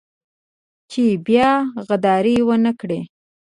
چې بيا غداري ونه کړي.